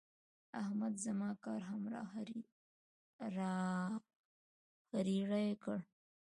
احمد زما کار هم را خرېړی کړ.